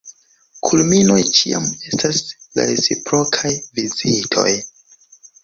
Kulminoj ĉiam estas la reciprokaj vizitoj.